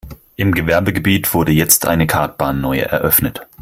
Im Gewerbegebiet wurde jetzt eine Kartbahn neu eröffnet.